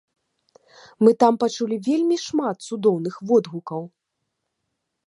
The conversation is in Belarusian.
Мы там пачулі вельмі шмат цудоўных водгукаў!